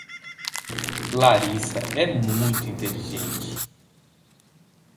Larissa é muito inteligente.